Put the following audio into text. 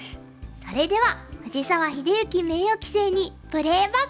それでは藤沢秀行名誉棋聖にプレーバック！